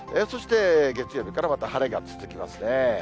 そして、月曜日からまた晴れが続きますね。